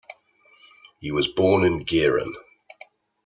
He was born in Gehren.